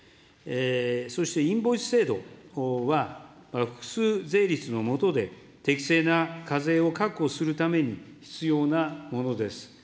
そしてインボイス制度は、複数税率のもとで、適正な課税を確保するために必要なものです。